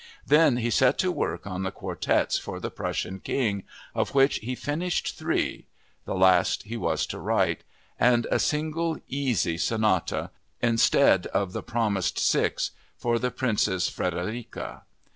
Then he set to work on the quartets for the Prussian king, of which he finished three (the last he was to write), and a single "easy" sonata, instead of the promised six, for the Princess Friederike.